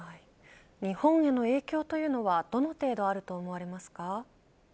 日本への影響というのはどの程度あると思われますか。